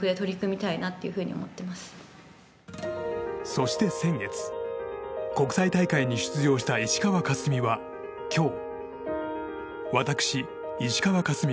そして先月、国際大会に出場した石川佳純は今日。